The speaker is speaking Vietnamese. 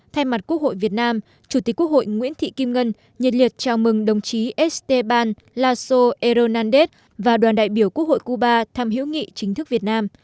thay mặt quốc hội việt nam chủ tịch quốc hội nguyễn thị kim ngân nhiệt liệt chào mừng đồng chí estêban lazo hernández và đoàn đại biểu quốc hội cuba thăm hiểu nghị chính thức việt nam